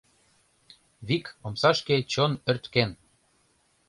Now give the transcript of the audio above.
Вик омсашке, чон ӧрткен.